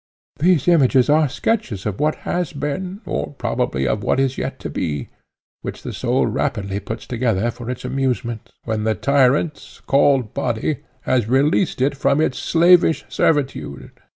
These images are sketches of what has been, or probably of what is yet to be, which the soul rapidly puts together for its amusement, when the tyrant, called body, has released it from its slavish servitude.